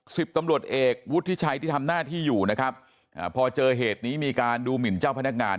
สิบตำรวจเอกวุฒิชัยที่ทำหน้าที่อยู่นะครับอ่าพอเจอเหตุนี้มีการดูหมินเจ้าพนักงาน